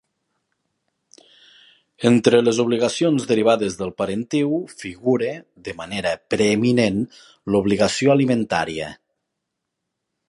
Entre les obligacions derivades del parentiu figura, de manera preeminent, l'obligació alimentària.